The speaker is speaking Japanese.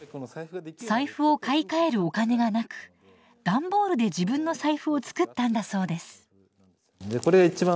財布を買い替えるお金がなく段ボールで自分の財布を作ったんだそうです。